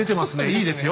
いいですよ